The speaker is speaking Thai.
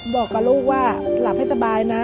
บอกกับลูกว่าหลับให้สบายนะ